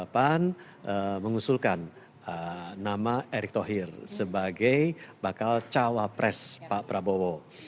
pan mengusulkan nama erick thohir sebagai bakal cawapres pak prabowo